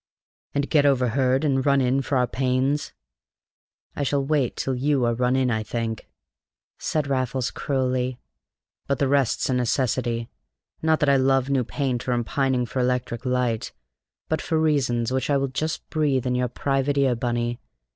"And get overheard and run in for our pains? I shall wait till you are run in, I think," said Raffles cruelly. "But the rest's a necessity: not that I love new paint or am pining for electric light, but for reasons which I will just breathe in your private ear, Bunny.